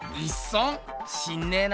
知んねえな。